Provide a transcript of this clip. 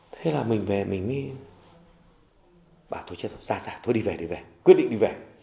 thế là mình về mình mới bảo thôi chết rồi ra ra thôi đi về đi về quyết định đi về